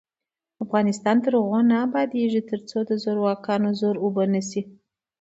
افغانستان تر هغو نه ابادیږي، ترڅو د زورواکانو زور اوبه نشي.